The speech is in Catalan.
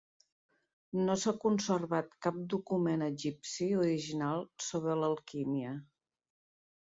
No s'ha conservat cap document egipci original sobre l'alquímia